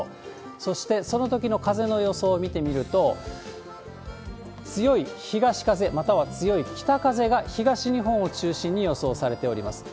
そして、そのときの風の予想を見てみると、強い東風、または強い北風が東日本を中心に予想されております。